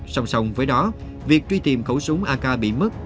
song song với đó việc truy tìm khẩu súng ak bị mất